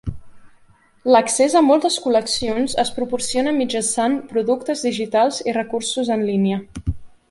L'accés a moltes col·leccions es proporciona mitjançant productes digitals i recursos en línia.